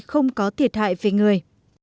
không có thiệt hại về người